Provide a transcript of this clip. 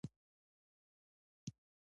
د ګرګين پر ضد د جهاد ليکلې فتوا يې ترې واخيسته.